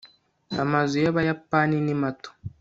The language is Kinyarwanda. amazu y'abayapani ni mato